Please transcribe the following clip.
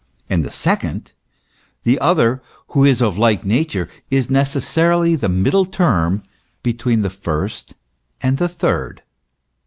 And the second, the other who is of like nature, is necessarily the middle term between the first and third.